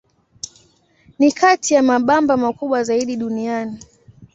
Ni kati ya mabamba makubwa zaidi duniani.